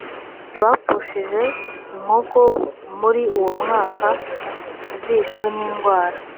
bapfushije inkoko muri uwo mwaka zishwe n indwara